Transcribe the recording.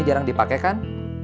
ini jarang dipake kan